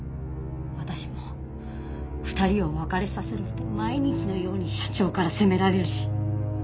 私も２人を別れさせろと毎日のように社長から責められるし。